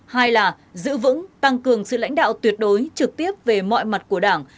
hai là giữ vững tăng cường sự lãnh đạo tuyệt đối trực tiếp về mọi mặt của đảng